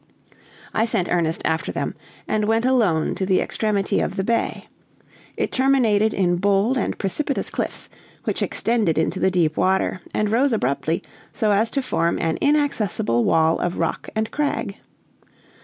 I sent Ernest after them, and went alone to the extremity of the bay. It terminated in bold and precipitous cliffs, which extended into the deep water, and rose abruptly, so as to form an inaccessible wall of rock and crag.